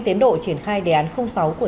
tiến độ triển khai đề án sáu của